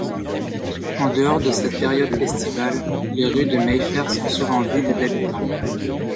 En dehors de cette période estivale, les rues de Mayfair sont souvent vides d’habitants.